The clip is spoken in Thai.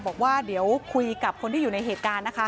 บอกว่าเดี๋ยวคุยกับคนที่อยู่ในเหตุการณ์นะคะ